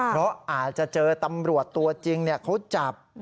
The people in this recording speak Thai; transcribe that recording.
เพราะอาจจะเจอตำรวจตัวจริงเขาจับ